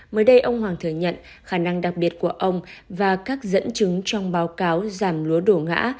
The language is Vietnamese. mới đây ông hoàng thừa nhận khả năng đặc biệt của ông và các dẫn chứng trong báo cáo giảm lúa đổ ngã